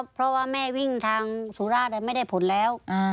เพราะว่าแม่วิ่งทางสุราชไม่ได้ผลแล้ว